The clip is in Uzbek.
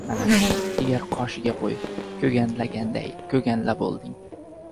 Mana, egar qoshiga qo‘y ko‘ganlaganday ko‘ganlabolding.